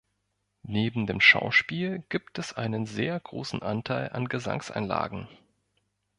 Neben dem Schauspiel gibt es einen sehr großen Anteil an Gesangseinlagen.